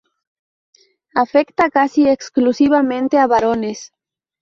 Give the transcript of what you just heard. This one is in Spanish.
Afecta casi exclusivamente a varones.